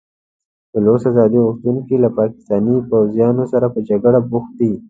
بلوڅ ازادي غوښتونکي له پاکستاني پوځیانو سره په جګړه بوخت دي.